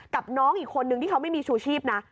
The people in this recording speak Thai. กับน้องอีกคนนึงที่เขาไม่มีชูชีพนะ